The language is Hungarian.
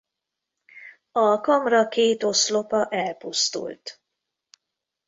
A kamra két oszlopa elpusztult.